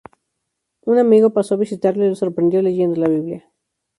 Un amigo pasó a visitarlo y lo sorprendió leyendo la "Biblia".